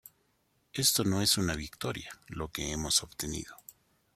Esto no es una victoria, lo que hemos obtenido.